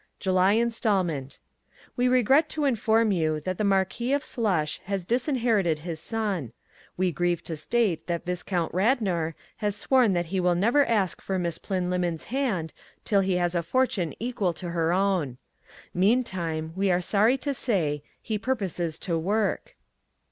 JULY INSTALMENT We regret to inform you that the Marquis of Slush has disinherited his son. We grieve to state that Viscount Radnor has sworn that he will never ask for Miss Plynlimmon's hand till he has a fortune equal to her own. Meantime, we are sorry to say, he proposes to work.